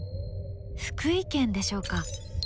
福井県でしょうか？